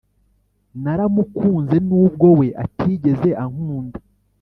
Naramukunze nubwo we atigeze ankunda